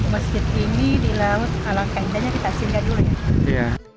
masjid ini di laut ala kaindahnya kita singgah dulu ya